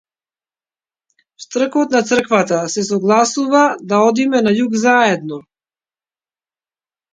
Штркот на црквата се согласува да одиме на југот заедно.